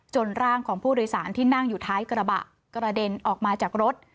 ร่างของผู้โดยสารที่นั่งอยู่ท้ายกระบะกระเด็นออกมาจากรถ